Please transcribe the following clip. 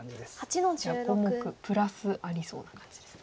じゃあ５目プラスありそうな感じですね。